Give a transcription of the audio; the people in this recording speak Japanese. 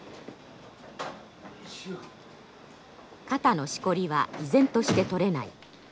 肩のしこりは依然として取れない。